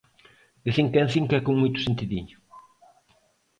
De cinco en cinco e con moito sentidiño.